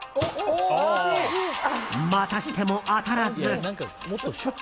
またしても当たらず。